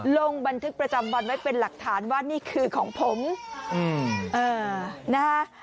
ลงบันทึกประจำวันไว้เป็นหลักฐานว่านี่คือของผมนะฮะ